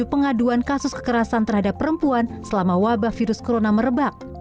pengaduan kasus kekerasan terhadap perempuan selama wabah virus corona merebak